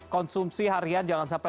konsumsi harian jangan sampai